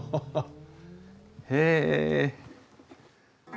へえ。